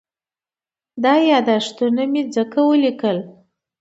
دا یادښتونه مې ځکه وليکل.